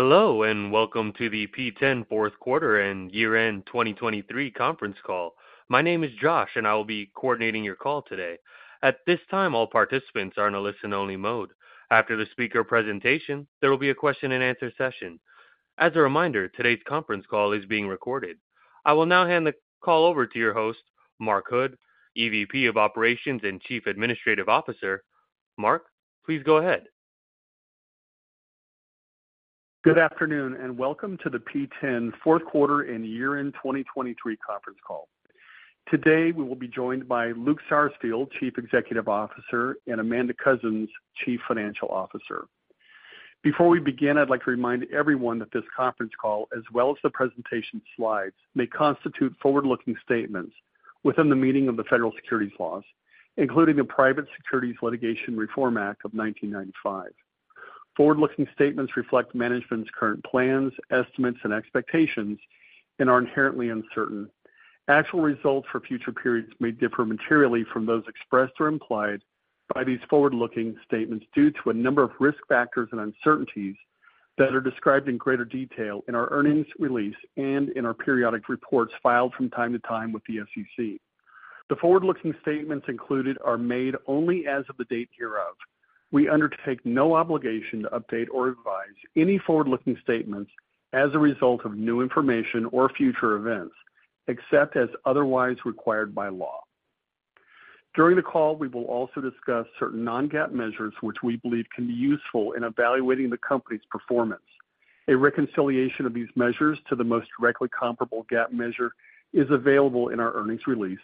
Hello and welcome to the P10 fourth quarter and year-end 2023 conference call. My name is Josh and I will be coordinating your call today. At this time all participants are in a listen-only mode. After the speaker presentation there will be a question-and-answer session. As a reminder, today's conference call is being recorded. I will now hand the call over to your host, Mark Hood, EVP of Operations and Chief Administrative Officer. Mark, please go ahead. Good afternoon and welcome to the P10 fourth quarter and year-end 2023 conference call. Today we will be joined by Luke Sarsfield, Chief Executive Officer, and Amanda Coussens, Chief Financial Officer. Before we begin, I'd like to remind everyone that this conference call, as well as the presentation slides, may constitute forward-looking statements within the meaning of the federal securities laws, including the Private Securities Litigation Reform Act of 1995. Forward-looking statements reflect management's current plans, estimates, and expectations, and are inherently uncertain. Actual results for future periods may differ materially from those expressed or implied by these forward-looking statements due to a number of risk factors and uncertainties that are described in greater detail in our earnings release and in our periodic reports filed from time to time with the SEC. The forward-looking statements included are made only as of the date hereof. We undertake no obligation to update or revise any forward-looking statements as a result of new information or future events, except as otherwise required by law. During the call we will also discuss certain non-GAAP measures which we believe can be useful in evaluating the company's performance. A reconciliation of these measures to the most directly comparable GAAP measure is available in our earnings release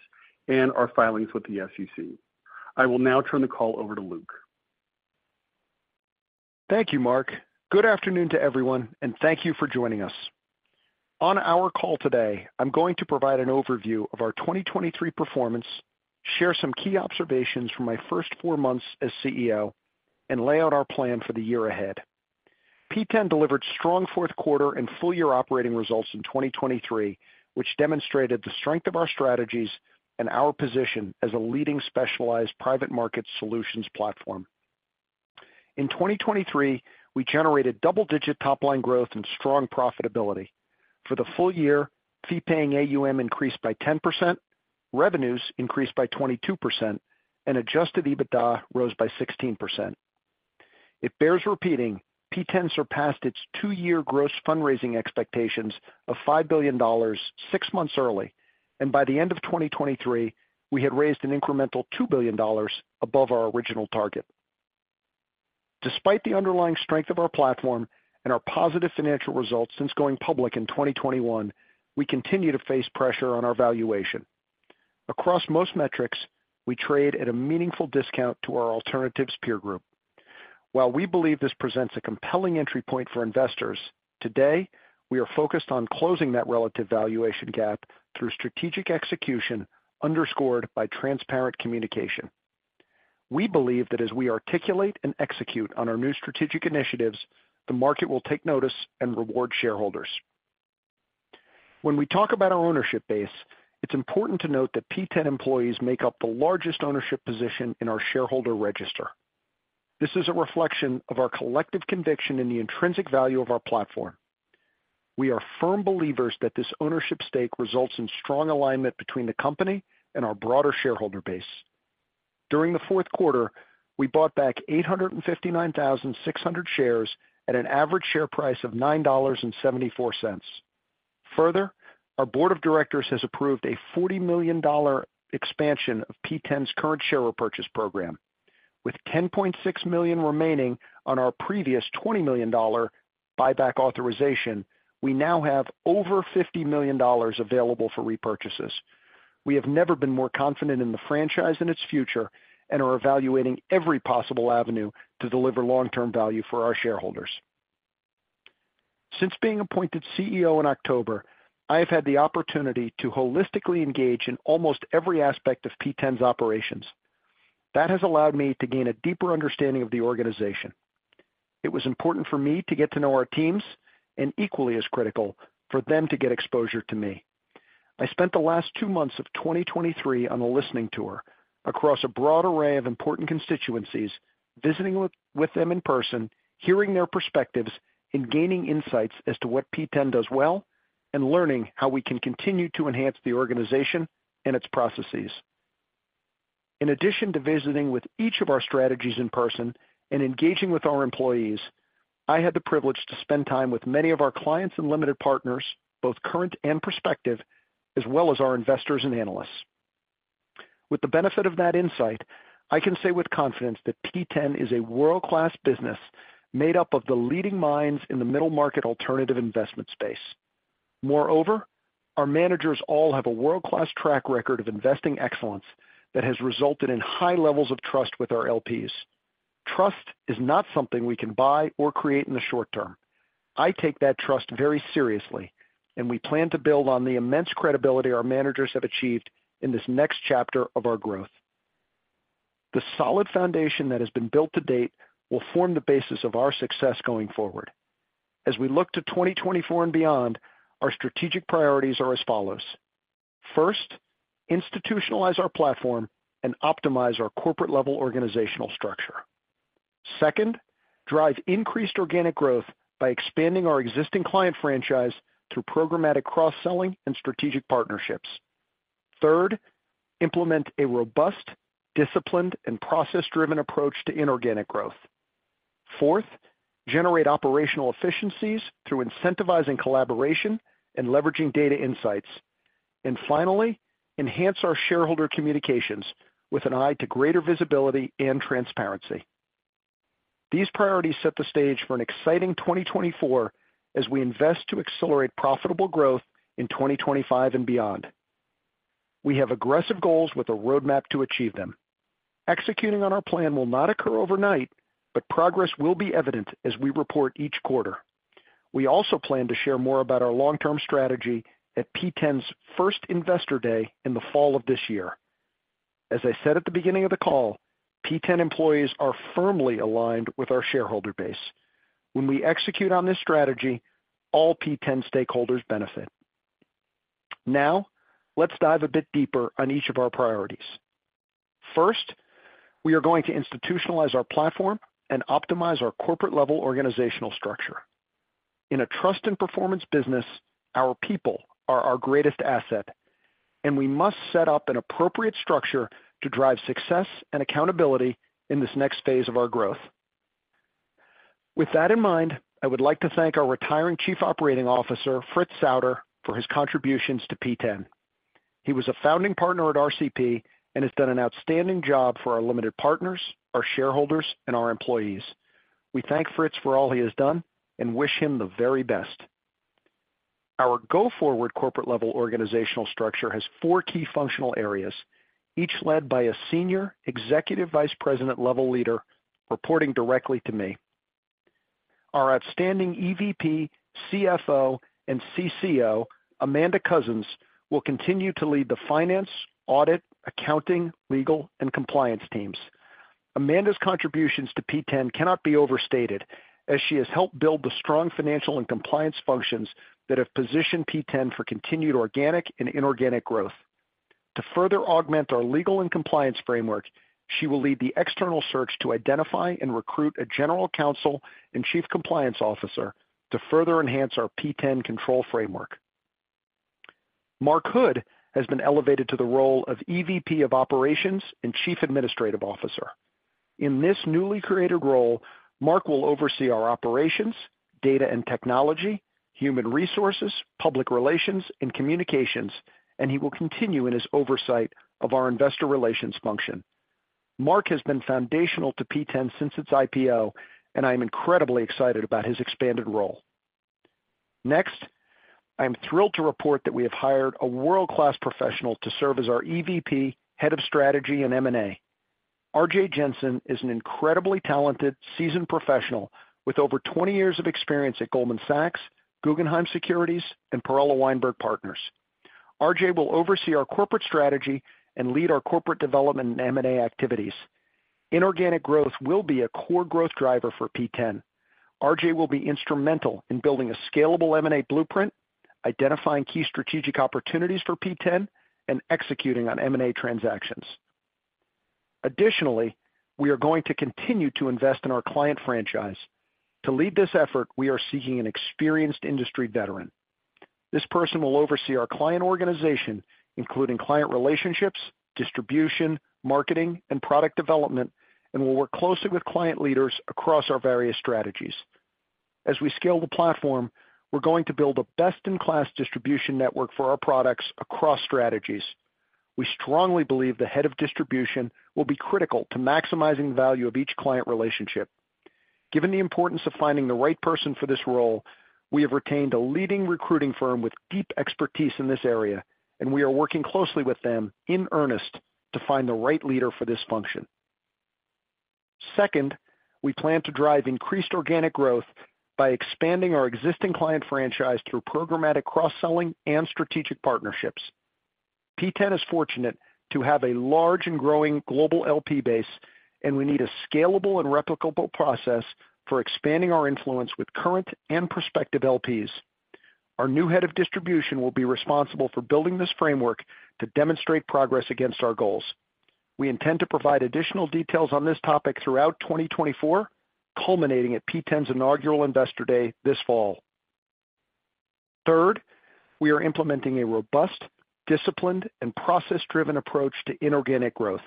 and our filings with the SEC. I will now turn the call over to Luke. Thank you, Mark. Good afternoon to everyone and thank you for joining us. On our call today I'm going to provide an overview of our 2023 performance, share some key observations from my first four months as CEO, and lay out our plan for the year ahead. P10 delivered strong fourth quarter and full-year operating results in 2023 which demonstrated the strength of our strategies and our position as a leading specialized private markets solutions platform. In 2023 we generated double-digit top-line growth and strong profitability. For the full year fee-paying AUM increased by 10%, revenues increased by 22%, and adjusted EBITDA rose by 16%. It bears repeating, P10 surpassed its two-year gross fundraising expectations of $5 billion six months early, and by the end of 2023 we had raised an incremental $2 billion above our original target. Despite the underlying strength of our platform and our positive financial results since going public in 2021, we continue to face pressure on our valuation. Across most metrics we trade at a meaningful discount to our alternatives peer group. While we believe this presents a compelling entry point for investors, today we are focused on closing that relative valuation gap through strategic execution underscored by transparent communication. We believe that as we articulate and execute on our new strategic initiatives, the market will take notice and reward shareholders. When we talk about our ownership base, it's important to note that P10 employees make up the largest ownership position in our shareholder register. This is a reflection of our collective conviction in the intrinsic value of our platform. We are firm believers that this ownership stake results in strong alignment between the company and our broader shareholder base. During the fourth quarter we bought back 859,600 shares at an average share price of $9.74. Further, our board of directors has approved a $40 million expansion of P10's current share repurchase program. With 10.6 million remaining on our previous $20 million buyback authorization we now have over $50 million available for repurchases. We have never been more confident in the franchise and its future and are evaluating every possible avenue to deliver long-term value for our shareholders. Since being appointed CEO in October I have had the opportunity to holistically engage in almost every aspect of P10's operations. That has allowed me to gain a deeper understanding of the organization. It was important for me to get to know our teams and equally as critical for them to get exposure to me. I spent the last two months of 2023 on a listening tour across a broad array of important constituencies, visiting with them in person, hearing their perspectives, and gaining insights as to what P10 does well, and learning how we can continue to enhance the organization and its processes. In addition to visiting with each of our strategies in person and engaging with our employees, I had the privilege to spend time with many of our clients and limited partners, both current and prospective, as well as our investors and analysts. With the benefit of that insight I can say with confidence that P10 is a world-class business made up of the leading minds in the middle market alternative investment space. Moreover, our managers all have a world-class track record of investing excellence that has resulted in high levels of trust with our LPs. Trust is not something we can buy or create in the short term. I take that trust very seriously and we plan to build on the immense credibility our managers have achieved in this next chapter of our growth. The solid foundation that has been built to date will form the basis of our success going forward. As we look to 2024 and beyond our strategic priorities are as follows. First, institutionalize our platform and optimize our corporate-level organizational structure. Second, drive increased organic growth by expanding our existing client franchise through programmatic cross-selling and strategic partnerships. Third, implement a robust, disciplined, and process-driven approach to inorganic growth. Fourth, generate operational efficiencies through incentivizing collaboration and leveraging data insights. Finally, enhance our shareholder communications with an eye to greater visibility and transparency. These priorities set the stage for an exciting 2024 as we invest to accelerate profitable growth in 2025 and beyond. We have aggressive goals with a roadmap to achieve them. Executing on our plan will not occur overnight but progress will be evident as we report each quarter. We also plan to share more about our long-term strategy at P10's first investor day in the fall of this year. As I said at the beginning of the call, P10 employees are firmly aligned with our shareholder base. When we execute on this strategy all P10 stakeholders benefit. Now let's dive a bit deeper on each of our priorities. First, we are going to institutionalize our platform and optimize our corporate-level organizational structure. In a trust and performance business, our people are our greatest asset, and we must set up an appropriate structure to drive success and accountability in this next phase of our growth. With that in mind, I would like to thank our retiring Chief Operating Officer, Fritz Souder, for his contributions to P10. He was a founding partner at RCP and has done an outstanding job for our limited partners, our shareholders, and our employees. We thank Fritz for all he has done and wish him the very best. Our go-forward corporate-level organizational structure has four key functional areas, each led by a senior executive vice president-level leader reporting directly to me. Our outstanding EVP, CFO, and CCO, Amanda Coussens, will continue to lead the finance, audit, accounting, legal, and compliance teams. Amanda's contributions to P10 cannot be overstated as she has helped build the strong financial and compliance functions that have positioned P10 for continued organic and inorganic growth. To further augment our legal and compliance framework, she will lead the external search to identify and recruit a general counsel and chief compliance officer to further enhance our P10 control framework. Mark Hood has been elevated to the role of EVP of Operations and Chief Administrative Officer. In this newly created role Mark will oversee our operations, data and technology, human resources, public relations, and communications, and he will continue in his oversight of our investor relations function. Mark has been foundational to P10 since its IPO and I am incredibly excited about his expanded role. Next, I am thrilled to report that we have hired a world-class professional to serve as our EVP, Head of Strategy, and M&A. Arjay Jensen is an incredibly talented, seasoned professional with over 20 years of experience at Goldman Sachs, Guggenheim Securities, and Perella Weinberg Partners. Arjay will oversee our corporate strategy and lead our corporate development and M&A activities. Inorganic growth will be a core growth driver for P10. Arjay will be instrumental in building a scalable M&A blueprint, identifying key strategic opportunities for P10, and executing on M&A transactions. Additionally, we are going to continue to invest in our client franchise. To lead this effort we are seeking an experienced industry veteran. This person will oversee our client organization including client relationships, distribution, marketing, and product development, and will work closely with client leaders across our various strategies. As we scale the platform we're going to build a best-in-class distribution network for our products across strategies. We strongly believe the head of distribution will be critical to maximizing the value of each client relationship. Given the importance of finding the right person for this role we have retained a leading recruiting firm with deep expertise in this area and we are working closely with them in earnest to find the right leader for this function. Second, we plan to drive increased organic growth by expanding our existing client franchise through programmatic cross-selling and strategic partnerships. P10 is fortunate to have a large and growing global LP base and we need a scalable and replicable process for expanding our influence with current and prospective LPs. Our new head of distribution will be responsible for building this framework to demonstrate progress against our goals. We intend to provide additional details on this topic throughout 2024 culminating at P10's inaugural investor day this fall. Third, we are implementing a robust, disciplined, and process-driven approach to inorganic growth.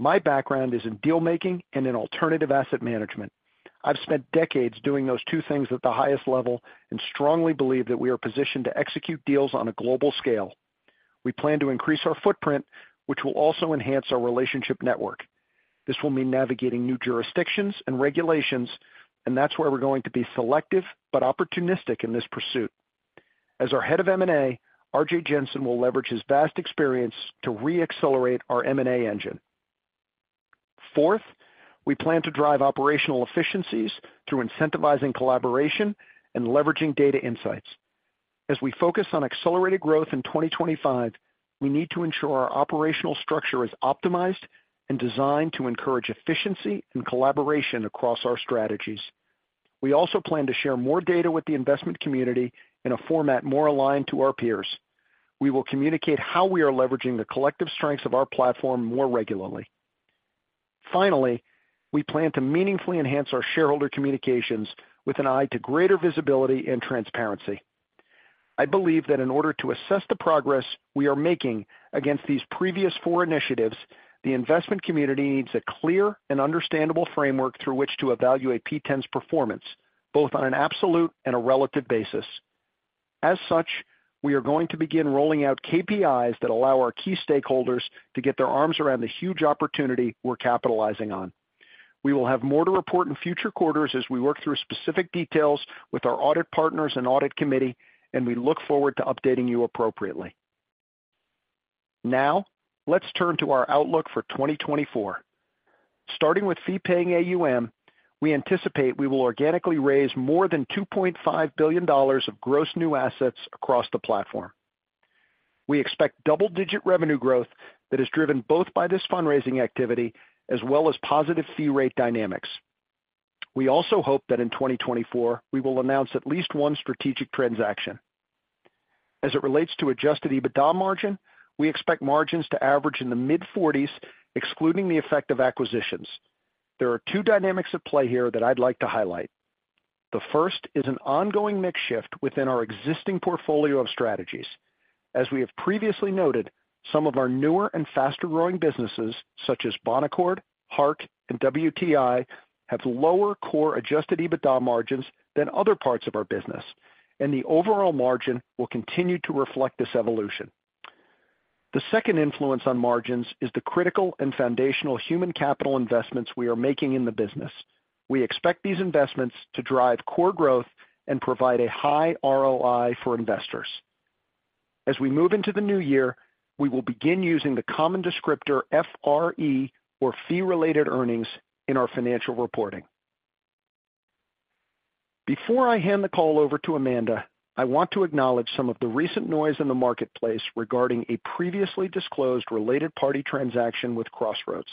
My background is in dealmaking and in alternative asset management. I've spent decades doing those two things at the highest level and strongly believe that we are positioned to execute deals on a global scale. We plan to increase our footprint, which will also enhance our relationship network. This will mean navigating new jurisdictions and regulations, and that's where we're going to be selective but opportunistic in this pursuit. As our head of M&A, Arjay Jensen, will leverage his vast experience to re-accelerate our M&A engine. Fourth, we plan to drive operational efficiencies through incentivizing collaboration and leveraging data insights. As we focus on accelerated growth in 2025, we need to ensure our operational structure is optimized and designed to encourage efficiency and collaboration across our strategies. We also plan to share more data with the investment community in a format more aligned to our peers. We will communicate how we are leveraging the collective strengths of our platform more regularly. Finally, we plan to meaningfully enhance our shareholder communications with an eye to greater visibility and transparency. I believe that in order to assess the progress we are making against these previous four initiatives, the investment community needs a clear and understandable framework through which to evaluate P10's performance both on an absolute and a relative basis. As such, we are going to begin rolling out KPIs that allow our key stakeholders to get their arms around the huge opportunity we're capitalizing on. We will have more to report in future quarters as we work through specific details with our audit partners and audit committee, and we look forward to updating you appropriately. Now let's turn to our outlook for 2024. Starting with fee-paying AUM we anticipate we will organically raise more than $2.5 billion of gross new assets across the platform. We expect double-digit revenue growth that is driven both by this fundraising activity as well as positive fee-rate dynamics. We also hope that in 2024 we will announce at least one strategic transaction. As it relates to Adjusted EBITDA margin we expect margins to average in the mid-40s excluding the effect of acquisitions. There are two dynamics at play here that I'd like to highlight. The first is an ongoing mix shift within our existing portfolio of strategies. As we have previously noted some of our newer and faster-growing businesses such as Bonaccord, Hark, and WTI have lower core Adjusted EBITDA margins than other parts of our business and the overall margin will continue to reflect this evolution. The second influence on margins is the critical and foundational human capital investments we are making in the business. We expect these investments to drive core growth and provide a high ROI for investors. As we move into the new year we will begin using the common descriptor FRE or fee-related earnings in our financial reporting. Before I hand the call over to Amanda I want to acknowledge some of the recent noise in the marketplace regarding a previously disclosed related-party transaction with Crossroads.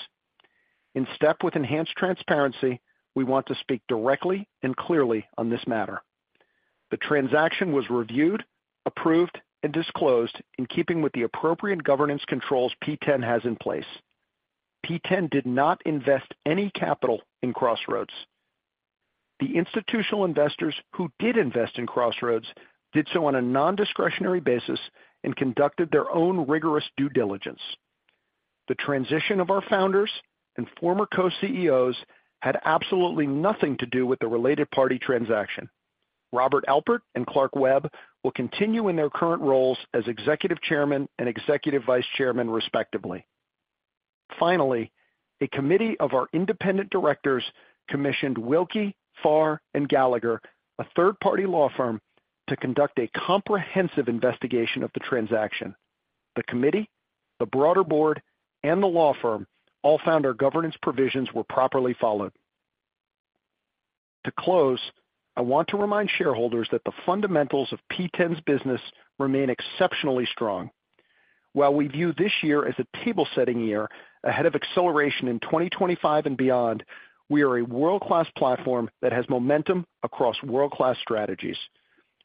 In step with enhanced transparency we want to speak directly and clearly on this matter. The transaction was reviewed, approved, and disclosed in keeping with the appropriate governance controls P10 has in place. P10 did not invest any capital in Crossroads. The institutional investors who did invest in Crossroads did so on a non-discretionary basis and conducted their own rigorous due diligence. The transition of our founders and former co-CEOs had absolutely nothing to do with the related-party transaction. Robert Alpert and Clark Webb will continue in their current roles as Executive Chairman and Executive Vice Chairman respectively. Finally, a committee of our independent directors commissioned Willkie Farr & Gallagher, a third-party law firm, to conduct a comprehensive investigation of the transaction. The committee, the broader board, and the law firm all found our governance provisions were properly followed. To close, I want to remind shareholders that the fundamentals of P10's business remain exceptionally strong. While we view this year as a table-setting year ahead of acceleration in 2025 and beyond, we are a world-class platform that has momentum across world-class strategies.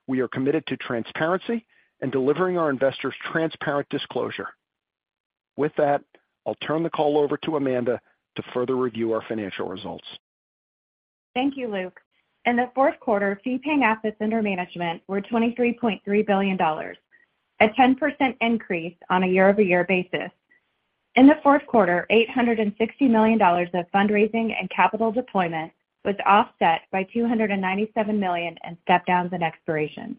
We are committed to transparency and delivering our investors transparent disclosure. With that I'll turn the call over to Amanda to further review our financial results. Thank you, Luke. In the fourth quarter fee-paying assets under management were $23.3 billion, a 10% increase on a year-over-year basis. In the fourth quarter $860 million of fundraising and capital deployment was offset by $297 million in step-downs and expirations.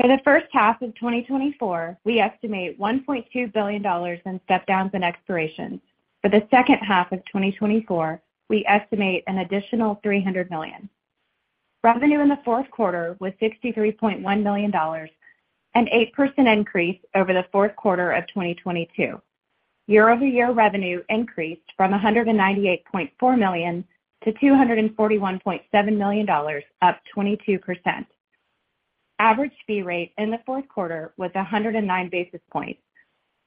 For the first half of 2024 we estimate $1.2 billion in step-downs and expirations. For the second half of 2024 we estimate an additional $300 million. Revenue in the fourth quarter was $63.1 million, an 8% increase over the fourth quarter of 2022. Year-over-year revenue increased from $198.4 million-$241.7 million, up 22%. Average fee-rate in the fourth quarter was 109 basis points,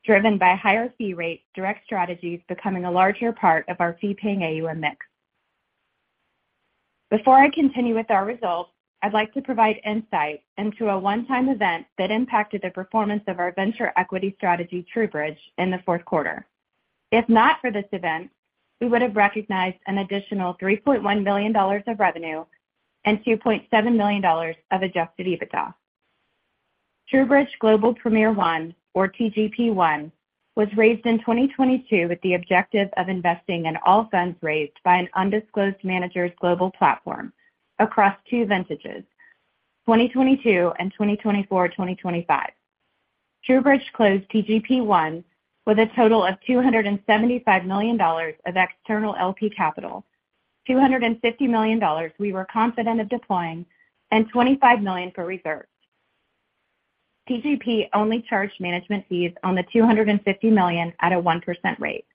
driven by higher fee-rate direct strategies becoming a larger part of our fee-paying AUM mix. Before I continue with our results I'd like to provide insight into a one-time event that impacted the performance of our venture equity strategy TrueBridge in the fourth quarter. If not for this event we would have recognized an additional $3.1 million of revenue and $2.7 million of Adjusted EBITDA. TrueBridge Global Premier I or TGP I was raised in 2022 with the objective of investing in all funds raised by an undisclosed manager's global platform across two vintages, 2022 and 2024-2025. TrueBridge closed TGP I with a total of $275 million of external LP capital, $250 million we were confident of deploying, and $25 million for reserves. TGP only charged management fees on the $250 million at a 1% rate.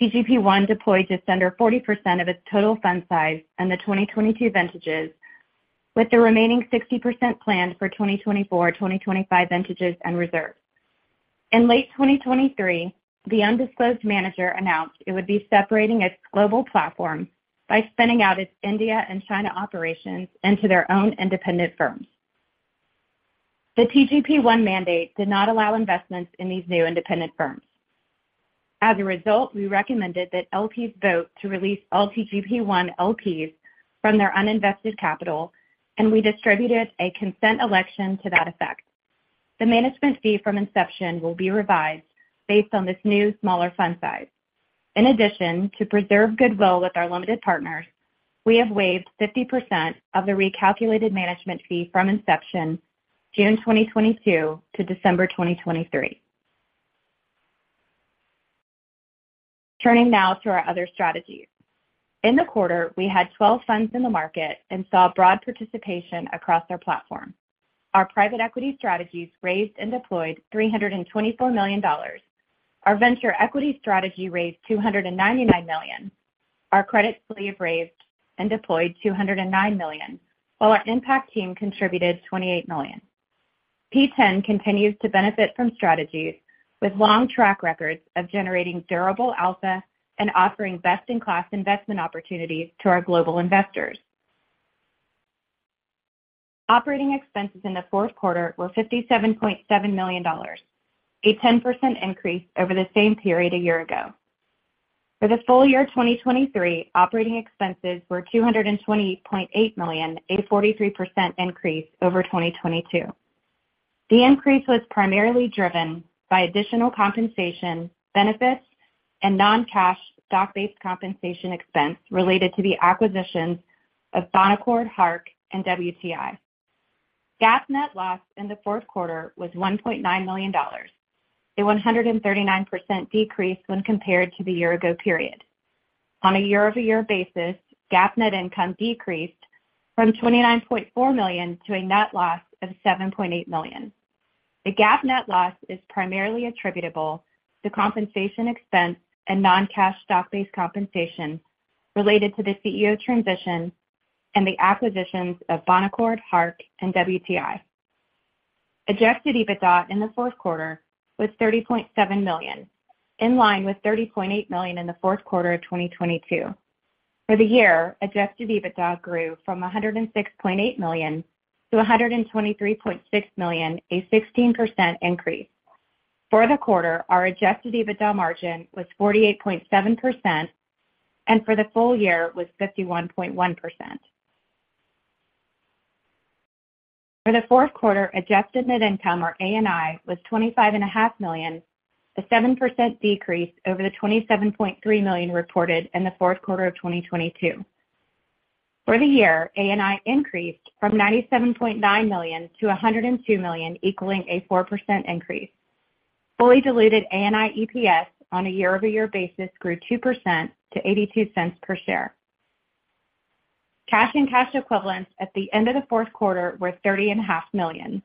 TGP I deployed just under 40% of its total fund size in the 2022 vintages with the remaining 60% planned for 2024-2025 vintages and reserves. In late 2023 the undisclosed manager announced it would be separating its global platform by spinning out its India and China operations into their own independent firms. The TGP I mandate did not allow investments in these new independent firms. As a result we recommended that LPs vote to release all TGP I LPs from their uninvested capital and we distributed a consent election to that effect. The management fee from inception will be revised based on this new smaller fund size. In addition, to preserve goodwill with our limited partners we have waived 50% of the recalculated management fee from inception June 2022 to December 2023. Turning now to our other strategies. In the quarter we had 12 funds in the market and saw broad participation across our platform. Our private equity strategies raised and deployed $324 million. Our venture equity strategy raised $299 million. Our credit sleeve raised and deployed $209 million while our impact team contributed $28 million. P10 continues to benefit from strategies with long track records of generating durable alpha and offering best-in-class investment opportunities to our global investors. Operating expenses in the fourth quarter were $57.7 million, a 10% increase over the same period a year ago. For the full year 2023 operating expenses were $220.8 million, a 43% increase over 2022. The increase was primarily driven by additional compensation, benefits, and non-cash stock-based compensation expense related to the acquisitions of Bonaccord, Hark, and WTI. GAAP net loss in the fourth quarter was $1.9 million, a 139% decrease when compared to the year-ago period. On a year-over-year basis GAAP net income decreased from $29.4 million to a net loss of $7.8 million. The GAAP net loss is primarily attributable to compensation expense and non-cash stock-based compensation related to the CEO transition and the acquisitions of Bonaccord, Hark, and WTI. Adjusted EBITDA in the fourth quarter was $30.7 million, in line with $30.8 million in the fourth quarter of 2022. For the year Adjusted EBITDA grew from $106.8 million to $123.6 million, a 16% increase. For the quarter our Adjusted EBITDA margin was 48.7% and for the full year was 51.1%. For the fourth quarter Adjusted Net Income or ANI was $25.5 million, a 7% decrease over the $27.3 million reported in the fourth quarter of 2022. For the year ANI increased from $97.9 million to $102 million equaling a 4% increase. Fully diluted ANI EPS on a year-over-year basis grew 2% to $0.82 per share. Cash and cash equivalents at the end of the fourth quarter were $30.5 million.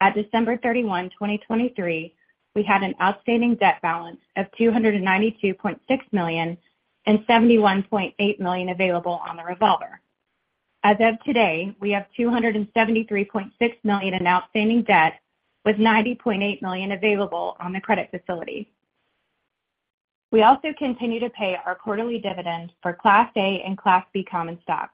At December 31, 2023 we had an outstanding debt balance of $292.6 million and $71.8 million available on the revolver. As of today, we have $273.6 million in outstanding debt with $90.8 million available on the credit facility. We also continue to pay our quarterly dividends for Class A and Class B common stock.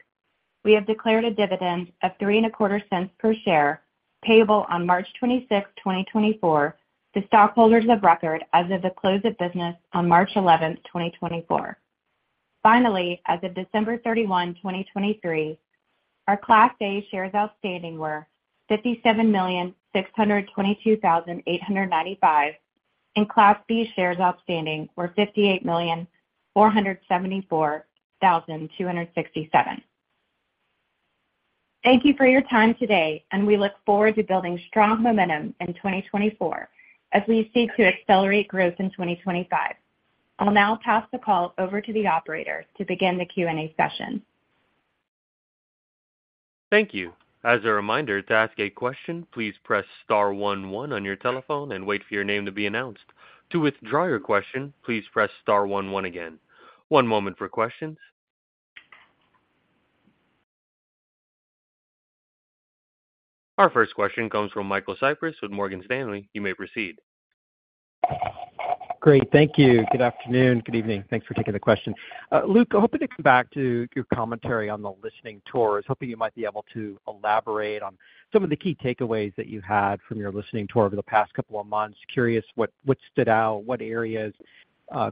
We have declared a dividend of $0.035 per share payable on March 26, 2024, to stockholders of record as of the close of business on March 11, 2024. Finally, as of December 31, 2023, our Class A shares outstanding were 57,622,895 and Class B shares outstanding were 58,474,267. Thank you for your time today and we look forward to building strong momentum in 2024 as we seek to accelerate growth in 2025. I'll now pass the call over to the operator to begin the Q&A session. Thank you. As a reminder, to ask a question, please press star 11 on your telephone and wait for your name to be announced. To withdraw your question, please press star 11 again. One moment for questions. Our first question comes from Michael Cyprys with Morgan Stanley. You may proceed. Great. Thank you. Good afternoon. Good evening. Thanks for taking the question. Luke, I'm hoping to come back to your commentary on the listening tour. I was hoping you might be able to elaborate on some of the key takeaways that you had from your listening tour over the past couple of months. Curious what stood out, what areas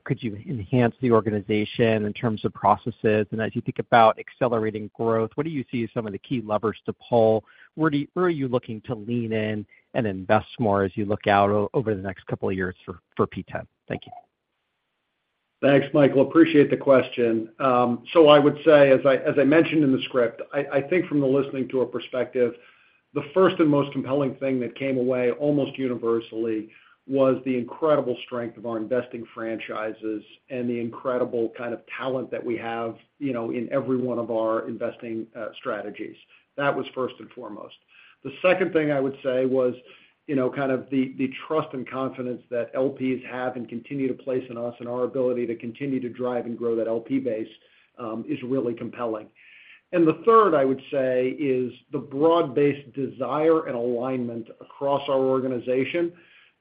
could you enhance the organization in terms of processes? And as you think about accelerating growth, what do you see as some of the key levers to pull? Where are you looking to lean in and invest more as you look out over the next couple of years for P10? Thank you. Thanks, Michael. Appreciate the question. So I would say as I mentioned in the script I think from the listening tour perspective the first and most compelling thing that came away almost universally was the incredible strength of our investing franchises and the incredible kind of talent that we have in every one of our investing strategies. That was first and foremost. The second thing I would say was kind of the trust and confidence that LPs have and continue to place in us and our ability to continue to drive and grow that LP base is really compelling. And the third I would say is the broad-based desire and alignment across our organization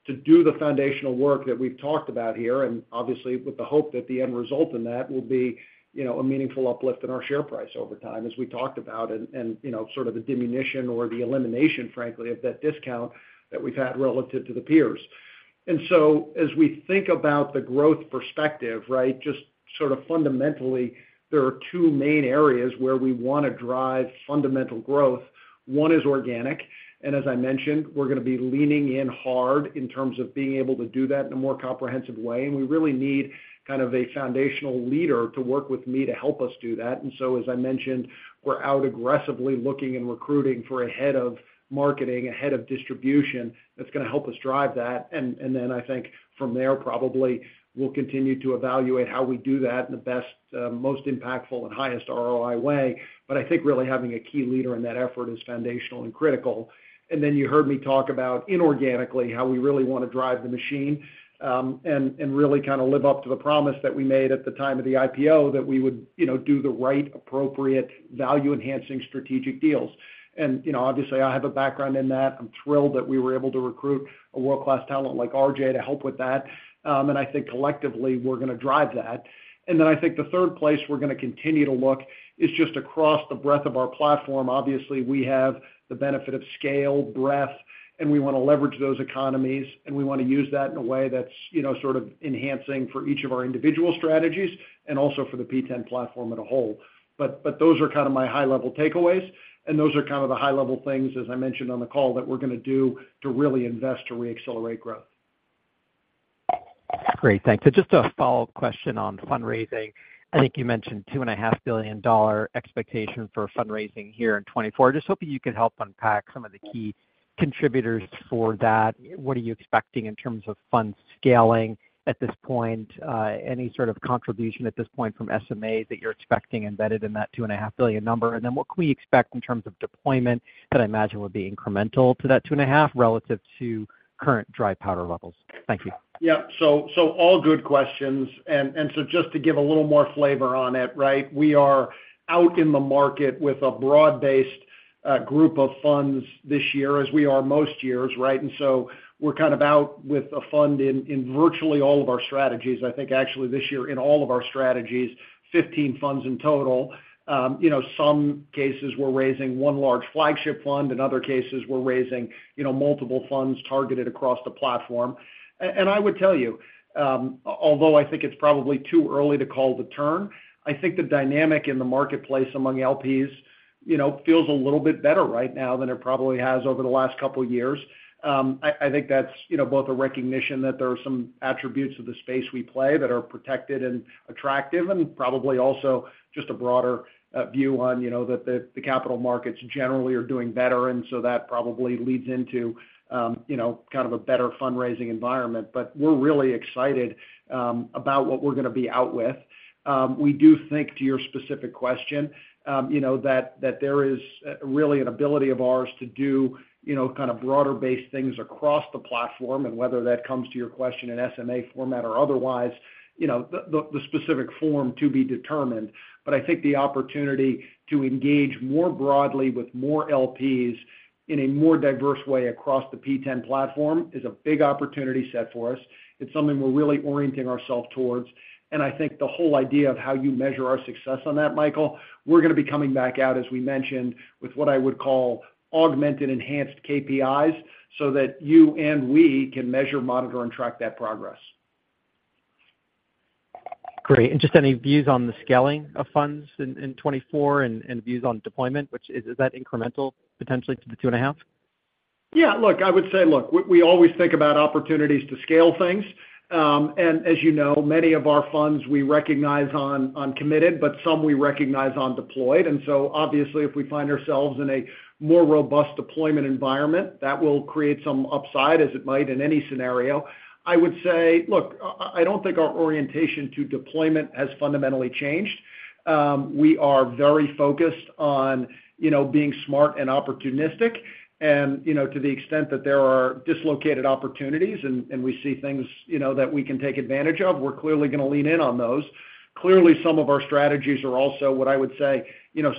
to do the foundational work that we've talked about here and obviously with the hope that the end result in that will be a meaningful uplift in our share price over time as we talked about and sort of the diminution or the elimination frankly of that discount that we've had relative to the peers. And so as we think about the growth perspective, right, just sort of fundamentally there are two main areas where we want to drive fundamental growth. One is organic and as I mentioned we're going to be leaning in hard in terms of being able to do that in a more comprehensive way and we really need kind of a foundational leader to work with me to help us do that. So as I mentioned, we're out aggressively looking and recruiting for a head of marketing, a head of distribution that's going to help us drive that. And then I think from there probably we'll continue to evaluate how we do that in the best, most impactful, and highest ROI way. But I think really having a key leader in that effort is foundational and critical. And then you heard me talk about inorganically how we really want to drive the machine and really kind of live up to the promise that we made at the time of the IPO that we would do the right appropriate value-enhancing strategic deals. And obviously I have a background in that. I'm thrilled that we were able to recruit a world-class talent like Arjay to help with that. And I think collectively we're going to drive that. And then I think the third place we're going to continue to look is just across the breadth of our platform. Obviously we have the benefit of scale, breadth, and we want to leverage those economies and we want to use that in a way that's sort of enhancing for each of our individual strategies and also for the P10 platform as a whole. But those are kind of my high-level takeaways and those are kind of the high-level things as I mentioned on the call that we're going to do to really invest to re-accelerate growth. Great. Thanks. So just a follow-up question on fundraising. I think you mentioned $2.5 billion expectation for fundraising here in 2024. Just hoping you could help unpack some of the key contributors for that. What are you expecting in terms of fund scaling at this point? Any sort of contribution at this point from SMAs that you're expecting embedded in that $2.5 billion number? And then what can we expect in terms of deployment that I imagine would be incremental to that $2.5 relative to current dry powder levels? Thank you. Yep. So all good questions. And so just to give a little more flavor on it, right, we are out in the market with a broad-based group of funds this year as we are most years, right? And so we're kind of out with a fund in virtually all of our strategies. I think actually this year in all of our strategies, 15 funds in total. Some cases we're raising one large flagship fund. In other cases we're raising multiple funds targeted across the platform. And I would tell you, although I think it's probably too early to call the turn, I think the dynamic in the marketplace among LPs feels a little bit better right now than it probably has over the last couple of years. I think that's both a recognition that there are some attributes of the space we play that are protected and attractive and probably also just a broader view on that the capital markets generally are doing better and so that probably leads into kind of a better fundraising environment. But we're really excited about what we're going to be out with. We do think to your specific question that there is really an ability of ours to do kind of broader-based things across the platform and whether that comes to your question in SMA format or otherwise, the specific form to be determined. But I think the opportunity to engage more broadly with more LPs in a more diverse way across the P10 platform is a big opportunity set for us. It's something we're really orienting ourselves towards. I think the whole idea of how you measure our success on that, Michael, we're going to be coming back out as we mentioned with what I would call augmented enhanced KPIs so that you and we can measure, monitor, and track that progress. Great. Just any views on the scaling of funds in 2024 and views on deployment? Is that incremental potentially to the $2.5? Yeah. Look, I would say look, we always think about opportunities to scale things. As you know, many of our funds we recognize on committed but some we recognize on deployed. So obviously if we find ourselves in a more robust deployment environment that will create some upside as it might in any scenario. I would say look, I don't think our orientation to deployment has fundamentally changed. We are very focused on being smart and opportunistic. To the extent that there are dislocated opportunities and we see things that we can take advantage of we're clearly going to lean in on those. Clearly some of our strategies are also what I would say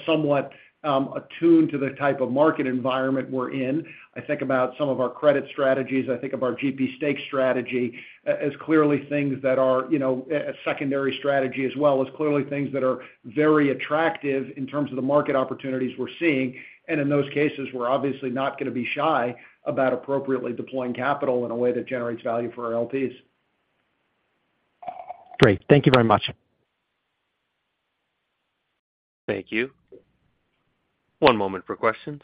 somewhat attuned to the type of market environment we're in. I think about some of our credit strategies. I think of our GP stake strategy as clearly things that are a secondary strategy as well as clearly things that are very attractive in terms of the market opportunities we're seeing. And in those cases we're obviously not going to be shy about appropriately deploying capital in a way that generates value for our LPs. Great. Thank you very much. Thank you. One moment for questions.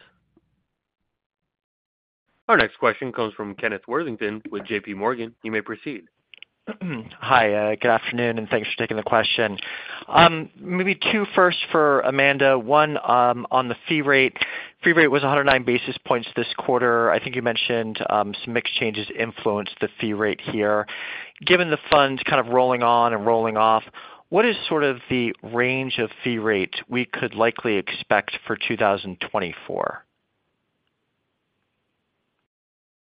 Our next question comes from Kenneth Worthington with JP Morgan. You may proceed. Hi. Good afternoon and thanks for taking the question. Maybe two first for Amanda. One, on the fee rate. Fee rate was 109 basis points this quarter. I think you mentioned some mixed changes influenced the fee rate here. Given the funds kind of rolling on and rolling off, what is sort of the range of fee rate we could likely expect for 2024?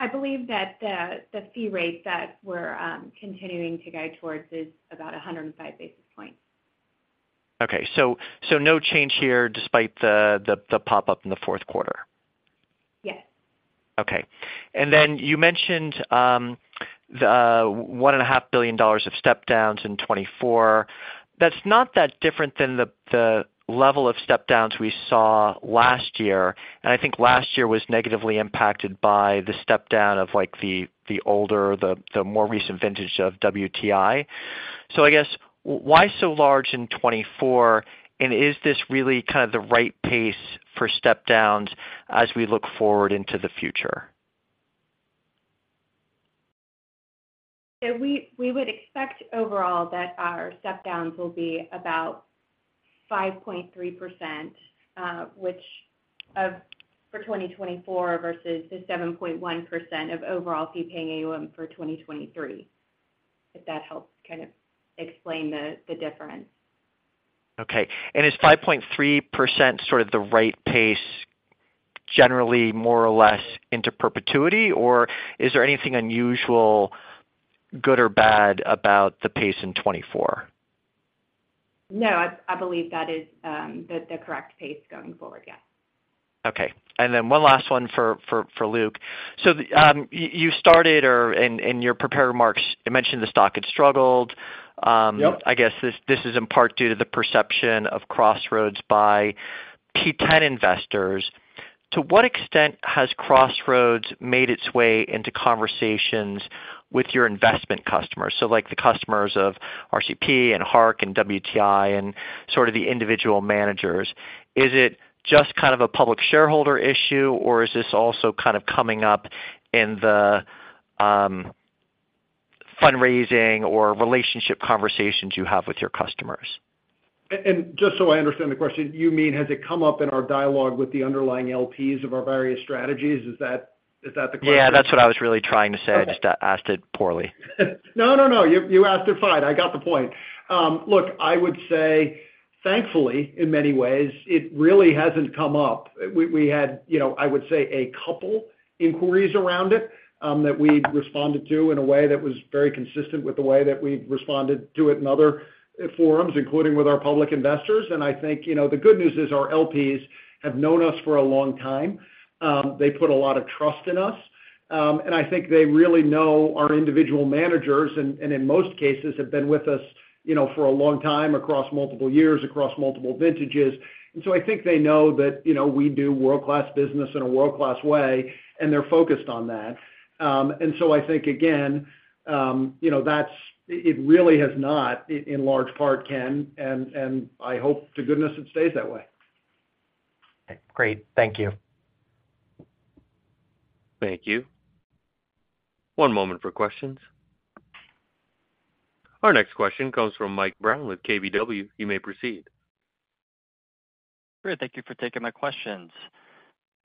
I believe that the fee rate that we're continuing to go towards is about 105 basis points. Okay. So no change here despite the pop-up in the fourth quarter? Yes. Okay. And then you mentioned the $1.5 billion of step-downs in 2024. That's not that different than the level of step-downs we saw last year. And I think last year was negatively impacted by the step-down of the older, the more recent vintage of WTI. So I guess why so large in 2024 and is this really kind of the right pace for step-downs as we look forward into the future? We would expect overall that our step-downs will be about 5.3% for 2024 versus the 7.1% of overall fee-paying AUM for 2023 if that helps kind of explain the difference. Okay. Is 5.3% sort of the right pace generally more or less into perpetuity or is there anything unusual, good or bad, about the pace in 2024? No. I believe that is the correct pace going forward. Yes. Okay. And then one last one for Luke. So you started or in your prepared remarks you mentioned the stock had struggled. I guess this is in part due to the perception of Crossroads by P10 investors. To what extent has Crossroads made its way into conversations with your investment customers? So the customers of RCP and Hark and WTI and sort of the individual managers. Is it just kind of a public shareholder issue or is this also kind of coming up in the fundraising or relationship conversations you have with your customers? Just so I understand the question, you mean has it come up in our dialogue with the underlying LPs of our various strategies? Is that the question? Yeah. That's what I was really trying to say. I just asked it poorly. No, no, no. You asked it fine. I got the point. Look, I would say thankfully in many ways it really hasn't come up. We had, I would say, a couple inquiries around it that we responded to in a way that was very consistent with the way that we've responded to it in other forums including with our public investors. And I think the good news is our LPs have known us for a long time. They put a lot of trust in us. And I think they really know our individual managers and in most cases have been with us for a long time across multiple years, across multiple vintages. And so I think they know that we do world-class business in a world-class way and they're focused on that. And so I think again that's it really has not in large part can. I hope to goodness it stays that way. Okay. Great. Thank you. Thank you. One moment for questions. Our next question comes from Mike Brown with KBW. You may proceed. Great. Thank you for taking my questions.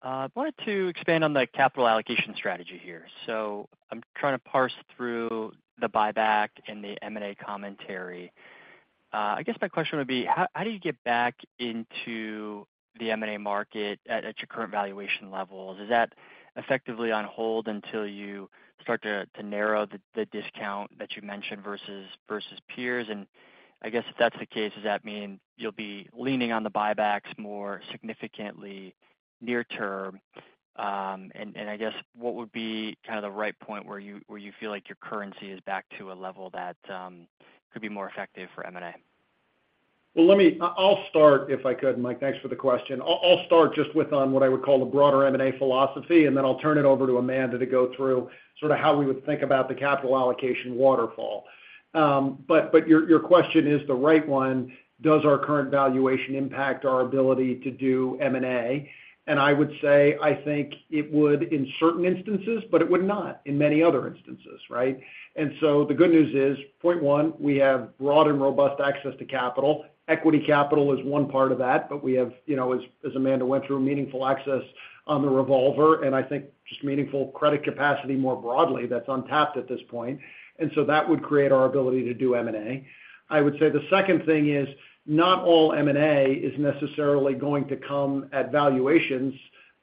I wanted to expand on the capital allocation strategy here. So I'm trying to parse through the buyback and the M&A commentary. I guess my question would be how do you get back into the M&A market at your current valuation levels? Is that effectively on hold until you start to narrow the discount that you mentioned versus peers? And I guess if that's the case, does that mean you'll be leaning on the buybacks more significantly near-term? And I guess what would be kind of the right point where you feel like your currency is back to a level that could be more effective for M&A? Well, let me, I'll start if I could, Mike. Thanks for the question. I'll start just with on what I would call the broader M&A philosophy and then I'll turn it over to Amanda to go through sort of how we would think about the capital allocation waterfall. But your question is the right one. Does our current valuation impact our ability to do M&A? And I would say I think it would in certain instances but it would not in many other instances, right? And so the good news is, point one, we have broad and robust access to capital. Equity capital is one part of that but we have, as Amanda went through, meaningful access on the revolver and I think just meaningful credit capacity more broadly that's untapped at this point. And so that would create our ability to do M&A. I would say the second thing is not all M&A is necessarily going to come at valuations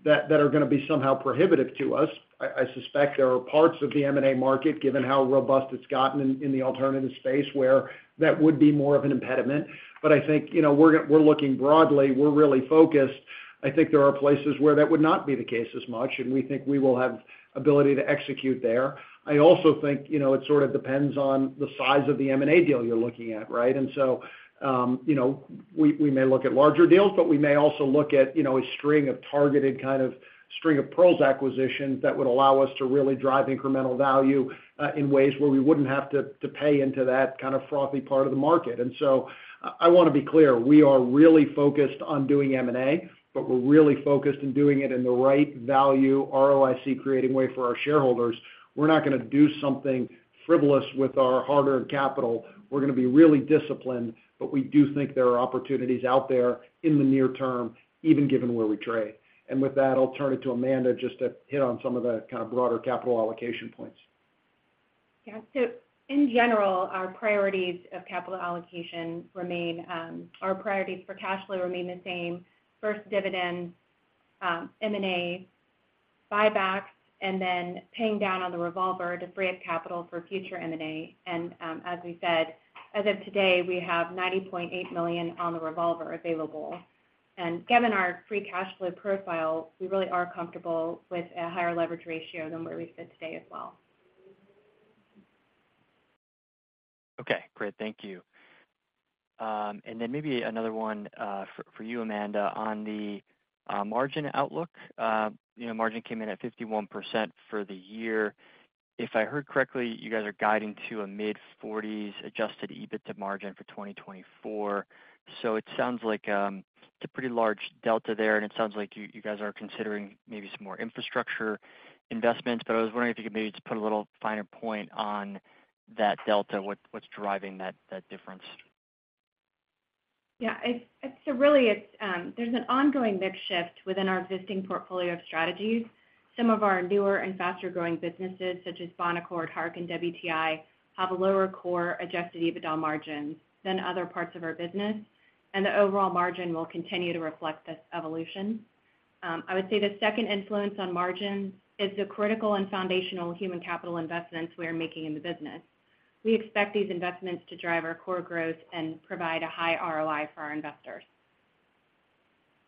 that are going to be somehow prohibitive to us. I suspect there are parts of the M&A market given how robust it's gotten in the alternative space where that would be more of an impediment. But I think we're looking broadly. We're really focused. I think there are places where that would not be the case as much and we think we will have ability to execute there. I also think it sort of depends on the size of the M&A deal you're looking at, right? And so we may look at larger deals, but we may also look at a string of targeted kind of string of pearls acquisitions that would allow us to really drive incremental value in ways where we wouldn't have to pay into that kind of frothy part of the market. And so I want to be clear. We are really focused on doing M&A, but we're really focused in doing it in the right value ROIC-creating way for our shareholders. We're not going to do something frivolous with our hard-earned capital. We're going to be really disciplined, but we do think there are opportunities out there in the near-term even given where we trade. And with that, I'll turn it to Amanda just to hit on some of the kind of broader capital allocation points. Yeah. So in general, our priorities of capital allocation remain our priorities for cash flow remain the same: first dividend, M&A, buybacks, and then paying down on the revolver to free up capital for future M&A. And as we said, as of today, we have $90.8 million on the revolver available. And given our free cash flow profile, we really are comfortable with a higher leverage ratio than where we sit today as well. Okay. Great. Thank you. And then maybe another one for you, Amanda, on the margin outlook. Margin came in at 51% for the year. If I heard correctly, you guys are guiding to a mid-40s% Adjusted EBITDA margin for 2024. So it sounds like it's a pretty large delta there and it sounds like you guys are considering maybe some more infrastructure investments. But I was wondering if you could maybe just put a little finer point on that delta, what's driving that difference? Yeah. So really there's an ongoing mix shift within our existing portfolio of strategies. Some of our newer and faster-growing businesses such as Bonaccord, Hark, and WTI have a lower core Adjusted EBITDA margin than other parts of our business and the overall margin will continue to reflect this evolution. I would say the second influence on margins is the critical and foundational human capital investments we are making in the business. We expect these investments to drive our core growth and provide a high ROI for our investors.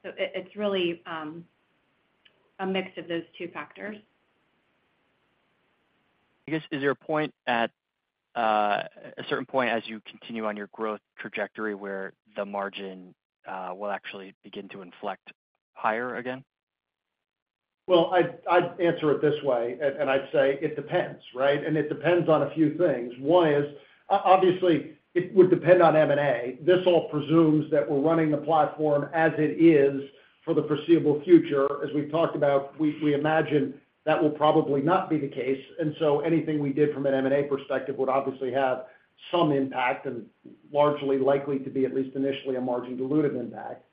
So it's really a mix of those two factors. I guess, is there a point at a certain point as you continue on your growth trajectory where the margin will actually begin to inflect higher again? Well, I'd answer it this way and I'd say it depends, right? And it depends on a few things. One is obviously it would depend on M&A. This all presumes that we're running the platform as it is for the foreseeable future. As we've talked about, we imagine that will probably not be the case. And so anything we did from an M&A perspective would obviously have some impact and largely likely to be at least initially a margin-dilutive impact.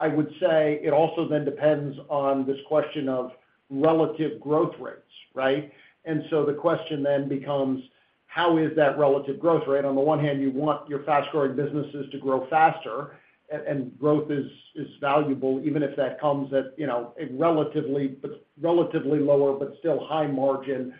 I would say it also then depends on this question of relative growth rates, right? And so the question then becomes how is that relative growth rate? On the one hand, you want your fast-growing businesses to grow faster and growth is valuable even if that comes at a relatively lower but still high margin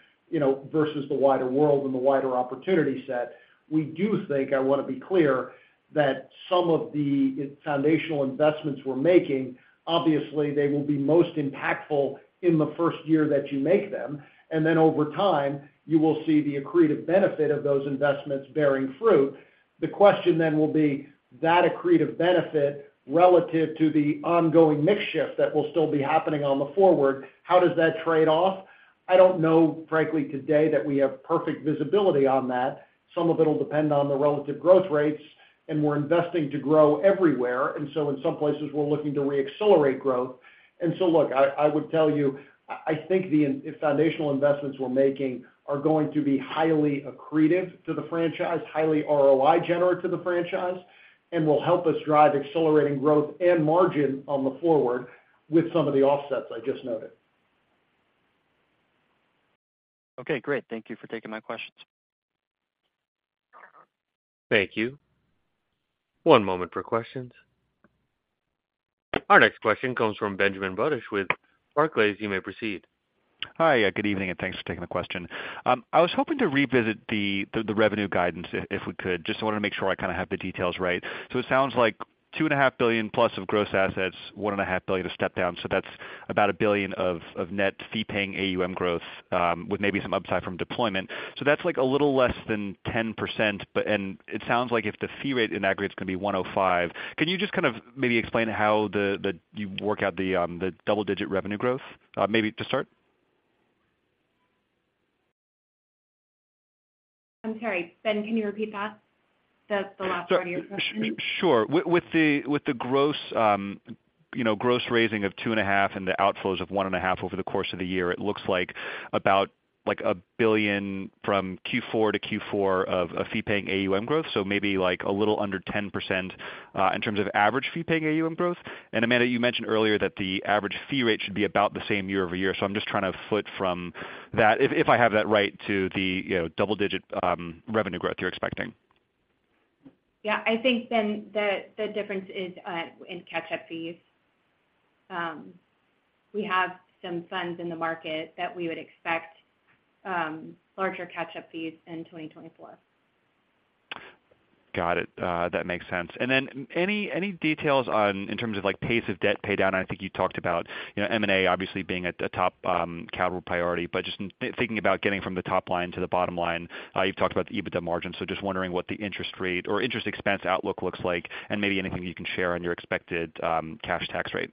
versus the wider world and the wider opportunity set. We do think, I want to be clear, that some of the foundational investments we're making, obviously they will be most impactful in the first year that you make them. And then over time, you will see the accretive benefit of those investments bearing fruit. The question then will be that accretive benefit relative to the ongoing mix shift that will still be happening on the forward, how does that trade off? I don't know, frankly, today that we have perfect visibility on that. Some of it will depend on the relative growth rates and we're investing to grow everywhere. And so in some places, we're looking to re-accelerate growth. And so look, I would tell you I think the foundational investments we're making are going to be highly accretive to the franchise, highly ROI-generative to the franchise, and will help us drive accelerating growth and margin on the forward with some of the offsets I just noted. Okay. Great. Thank you for taking my questions. Thank you. One moment for questions. Our next question comes from Benjamin Budish with Barclays. You may proceed. Hi. Good evening and thanks for taking the question. I was hoping to revisit the revenue guidance if we could. Just wanted to make sure I kind of have the details right. So it sounds like $2.5 billion+ of gross assets, $1.5 billion of step-downs. So that's about $1 billion of net fee-paying AUM growth with maybe some upside from deployment. So that's a little less than 10% and it sounds like if the fee rate in aggregate is going to be 105, can you just kind of maybe explain how you work out the double-digit revenue growth? Maybe to start? I'm sorry. Ben, can you repeat that? The last part of your question. Sure. With the gross raising of $2.5 billion and the outflows of $1.5 billion over the course of the year, it looks like about $1 billion from Q4 to Q4 of fee-paying AUM growth. So maybe a little under 10% in terms of average fee-paying AUM growth. And Amanda, you mentioned earlier that the average fee rate should be about the same year-over-year. So I'm just trying to foot from that if I have that right to the double-digit revenue growth you're expecting. Yeah. I think then the difference is in catch-up fees. We have some funds in the market that we would expect larger catch-up fees in 2024. Got it. That makes sense. And then any details in terms of pace of debt paydown? I think you talked about M&A obviously being a top capital priority but just thinking about getting from the top line to the bottom line. You've talked about the EBITDA margin. So just wondering what the interest rate or interest expense outlook looks like and maybe anything you can share on your expected cash tax rate?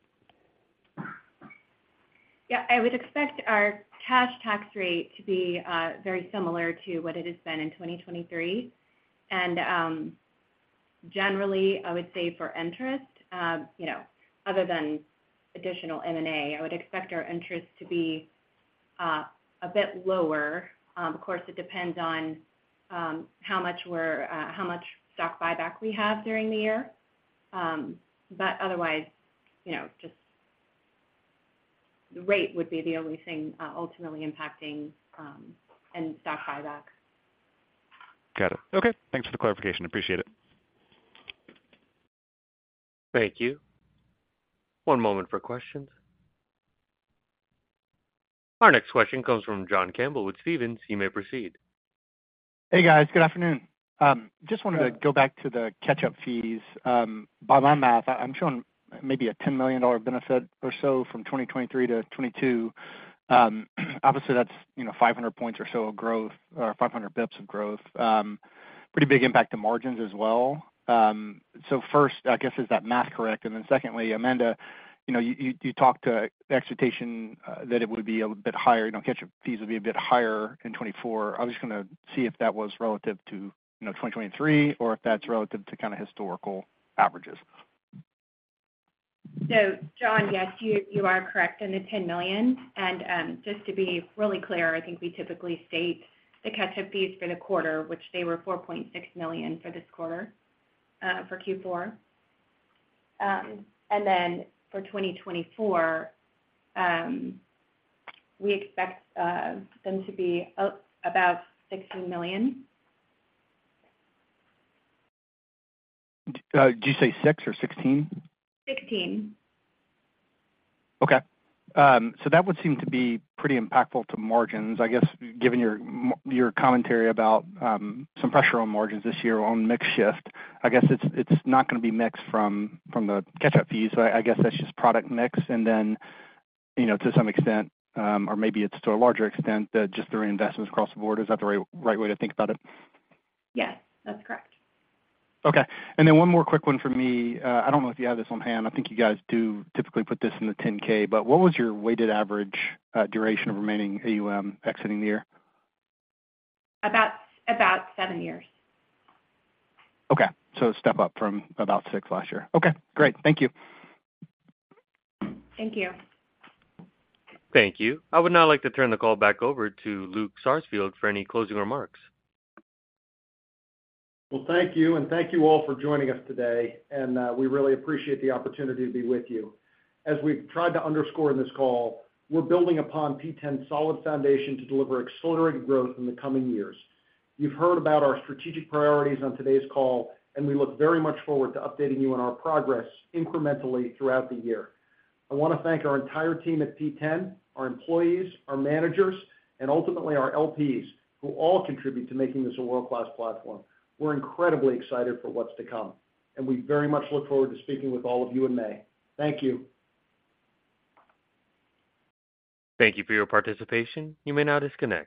Yeah. I would expect our cash tax rate to be very similar to what it has been in 2023. Generally, I would say for interest, other than additional M&A, I would expect our interest to be a bit lower. Of course, it depends on how much stock buyback we have during the year. Otherwise, just the rate would be the only thing ultimately impacting and stock buyback. Got it. Okay. Thanks for the clarification. Appreciate it. Thank you. One moment for questions. Our next question comes from John Campbell with Stephens. You may proceed. Hey guys. Good afternoon. Just wanted to go back to the catch-up fees. By my math, I'm showing maybe a $10 million benefit or so from 2023 to 2022. Obviously, that's 500 points or so of growth or 500 basis points of growth. Pretty big impact to margins as well. So first, I guess, is that math correct? And then secondly, Amanda, you talked to expectation that it would be a bit higher. Catch-up fees would be a bit higher in 2024. I was just going to see if that was relative to 2023 or if that's relative to kind of historical averages. So, John, yes, you are correct in the $10 million. And just to be really clear, I think we typically state the catch-up fees for the quarter, which they were $4.6 million for this quarter for Q4. And then for 2024, we expect them to be about $16 million. Did you say 6 or 16? 16. Okay. So that would seem to be pretty impactful to margins. I guess given your commentary about some pressure on margins this year on mix shift, I guess it's not going to be mixed from the catch-up fees. So I guess that's just product mix and then to some extent or maybe it's to a larger extent just the reinvestments across the board. Is that the right way to think about it? Yes. That's correct. Okay. And then one more quick one for me. I don't know if you have this on hand. I think you guys do typically put this in the 10-K. But what was your weighted average duration of remaining AUM exiting the year? About seven years. Okay. So a step up from about six last year. Okay. Great. Thank you. Thank you. Thank you. I would now like to turn the call back over to Luke Sarsfield for any closing remarks. Well, thank you and thank you all for joining us today. We really appreciate the opportunity to be with you. As we've tried to underscore in this call, we're building upon P10's solid foundation to deliver accelerated growth in the coming years. You've heard about our strategic priorities on today's call and we look very much forward to updating you on our progress incrementally throughout the year. I want to thank our entire team at P10, our employees, our managers, and ultimately our LPs who all contribute to making this a world-class platform. We're incredibly excited for what's to come and we very much look forward to speaking with all of you in May. Thank you. Thank you for your participation. You may now disconnect.